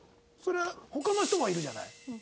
それは他の人もいるじゃない。